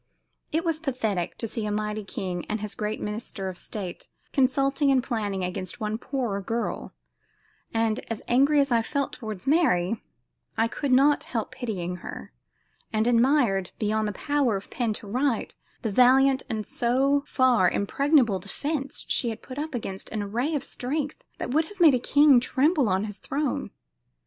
It was pathetic to see a mighty king and his great minister of state consulting and planning against one poor girl; and, as angry as I felt toward Mary, I could not help pitying her, and admired, beyond the power of pen to write, the valiant and so far impregnable defense she had put up against an array of strength that would have made a king tremble on his throne.